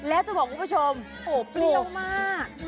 แล้วจะบอกคุณผู้ชมโอ้โหเปรี้ยวมาก